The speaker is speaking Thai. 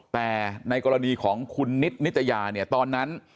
แต่ในกรณีของคุณนิดนิตยาเนี่ยตอนนั้น